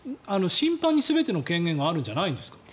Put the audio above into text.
審判に全ての権限があるんじゃないんですか。